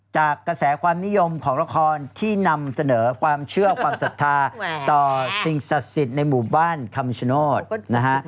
จากกระแสความนิยมของละครที่นำเสนอความเชื่อความศรัทธาต่อสิ่งศักดิ์สิทธิ์ในหมู่บ้านคำชโนธนะฮะ